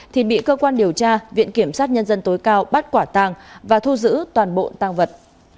thì bị cơ quan điều tra viện kiểm sát nhân dân tối cao bắt quả tàng và thu giữ toàn bộ tăng vật